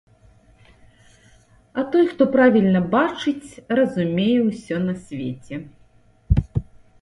А той, хто правільна бачыць, разумее ўсё на свеце.